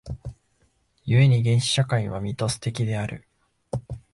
故に原始社会はミトス的である。